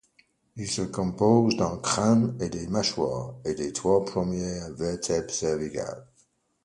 Il se compose d'un crâne et des mâchoires, et des trois premières vertèbres cervicales.